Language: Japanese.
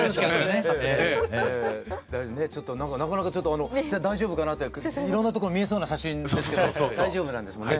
ちょっとなかなかちょっとあの大丈夫かなっていろんなところ見えそうな写真ですけど大丈夫なんですもんね。